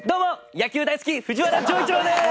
野球大好き藤原丈一郎です！